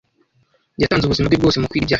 Yatanze ubuzima bwe bwose mu kwiga ibya fiziki.